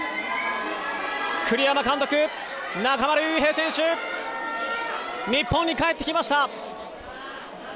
栗山監督、中村悠平選手が日本に帰ってきました。